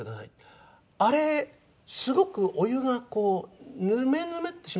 「あれすごくお湯がこうヌメヌメってしますよ」